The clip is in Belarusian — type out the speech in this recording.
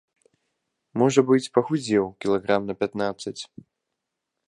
Можа быць, пахудзеў кілаграм на пятнаццаць.